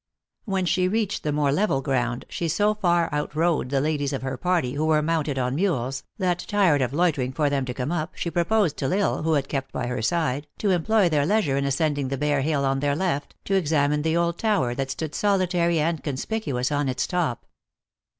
When she reached the more level ground, she so far out rode the ladies of her party, who were mounted on mules, that, tired of loitering for them to come up, she proposed to L Isle, who had kept by her side, to employ their leisure in ascending the bare hill on their left, to examine the old tower, that stood solitary and conspicuous on its top.